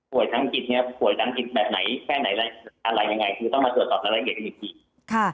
ทั้งจิตเนี่ยป่วยทางจิตแบบไหนแค่ไหนอะไรยังไงคือต้องมาตรวจสอบรายละเอียดกันอีกทีค่ะ